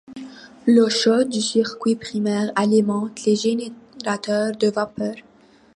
L'eau chaude du circuit primaire alimente les générateurs de vapeur.